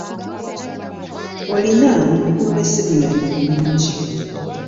Olina okukuuma essimu yange bulungi.